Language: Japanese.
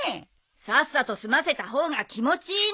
さっさと済ませた方が気持ちいいんだから。